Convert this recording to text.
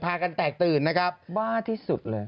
กันแตกตื่นนะครับบ้าที่สุดเลย